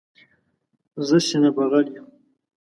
زه سینه بغل یم.